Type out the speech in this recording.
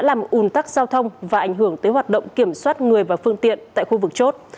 làm ủn tắc giao thông và ảnh hưởng tới hoạt động kiểm soát người và phương tiện tại khu vực chốt